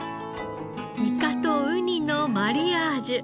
イカとウニのマリアージュ。